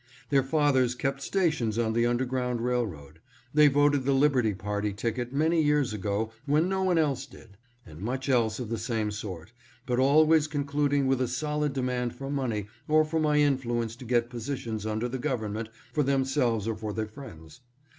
" Their fathers kept stations on the underground rail road." " They voted the Liberty party ticket many years ago, when no one else did." And much else of the same sort, but always concluding with a solid demand for money or for my influence to get positions under the Government for themselves or for their friends.